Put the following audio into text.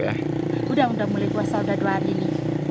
sudah mulai puasa sudah dua hari ini